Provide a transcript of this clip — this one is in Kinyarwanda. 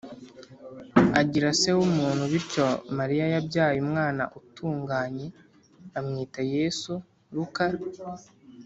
agira se w umuntu Bityo Mariya yabyaye umwana utunganye amwita Yesu Luka